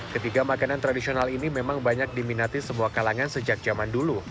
ketiga makanan tradisional ini memang banyak diminati semua kalangan sejak zaman dulu